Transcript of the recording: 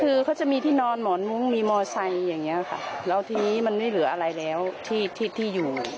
คือเขาจะมีที่นอนหมอนมุ้งมีมอไซค์อย่างเงี้ยค่ะแล้วทีนี้มันไม่เหลืออะไรแล้วที่ที่อยู่